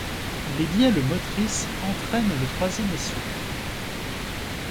Les bielles motrices entraînent le troisième essieu.